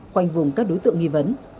quanh vùng các đối tượng nghi vấn